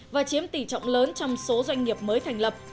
và chiếm tỷ trọng lớn trong số doanh nghiệp mới thành lập